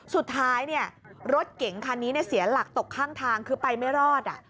สุดท้ายรถเก๋งคันนี้เสียหลักตกข้างทางคือไปไม่รอด